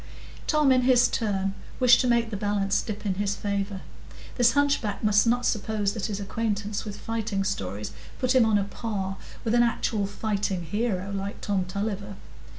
Tom, in his turn, wished to make the balance dip in his favour. This hunchback must not suppose that his acquaintance with fighting stories put him on a par with an actual fighting hero, like Tom Tulliver.